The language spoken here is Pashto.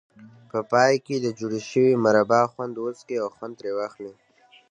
په پای کې د جوړې شوې مربا خوند وڅکئ او خوند ترې واخلئ.